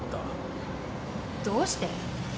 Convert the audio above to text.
どうして？